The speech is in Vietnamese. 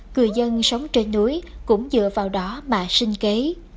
người dân sống trên núi cũng dựa vào đó mà sinh kế